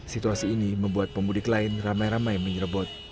situasi ini membuat pemudik lain ramai ramai menyerebot